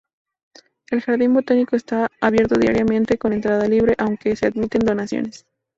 El jardín botánico está abierto diariamente con entrada libre, aunque se admiten donaciones.